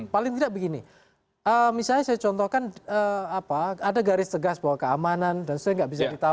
paling tidak begini misalnya saya contohkan ada garis tegas bahwa keamanan dan sebagainya tidak bisa ditawarkan